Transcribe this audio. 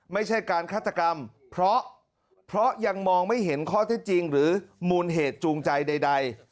ไม่ใช่การฆาตกรรมเพราะยังมองไม่เห็นข้อเท็จจริงหรือมูลเหตุจูงใจใด